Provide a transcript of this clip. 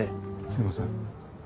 すいません。